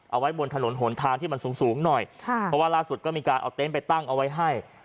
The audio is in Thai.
เอาไว้บนถนนหนทางที่มันสูงสูงหน่อยค่ะเพราะว่าล่าสุดก็มีการเอาเต็นต์ไปตั้งเอาไว้ให้